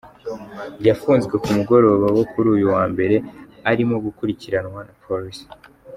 Yafunzwe ku mugoroba wo kuri uyu wa Mbere, arimo gukurikiranwa na Polisi.